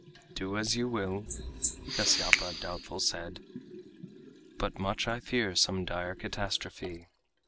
"Do as you will," Kasyapa doubtful said, "But much I fear some dire catastrophe."